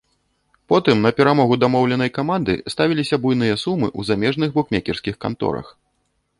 Потым на перамогу дамоўленай каманды ставіліся буйныя сумы ў замежных букмекерскіх канторах.